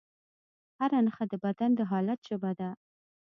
هره نښه د بدن د حالت ژبه ده.